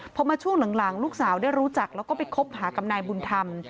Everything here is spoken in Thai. พอมาช่วงหลังลูกสาวได้รู้จักแล้วก็ไปคบหากับนายบุญธรรม